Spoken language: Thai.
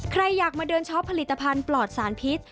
ใครอยากมาเดินช้อปผลิตภัณฑ์ปลอดสารพิษ